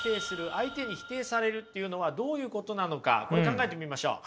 「相手に否定される」っていうのはどういうことなのかこれ考えてみましょう。